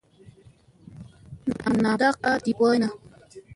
Nam ndak a di boyna.